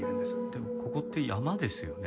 でもここって山ですよね？